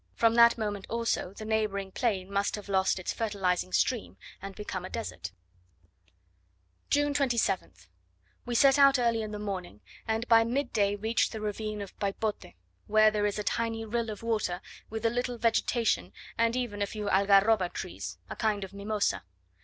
From that moment, also, the neighbouring plain must have lost its fertilizing stream, and become a desert. June 27th. We set out early in the morning, and by midday reached the ravine of Paypote, where there is a tiny rill of water, with a little vegetation, and even a few algarroba trees, a kind of mimosa.